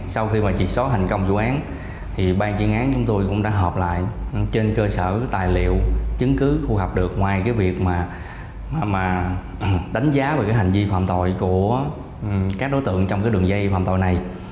sau khi mà trị xót hành công vụ án thì ban chuyên án chúng tôi cũng đã hợp lại trên cơ sở tài liệu chứng cứ phù hợp được ngoài cái việc mà đánh giá về cái hành vi phạm tội của các đối tượng trong cái đường dây phạm tội này